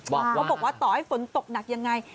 บอกว่าต่อให้ฝนตกหนักยังไง